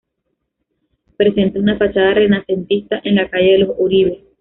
Presenta una fachada renacentista en la calle de los Uribe.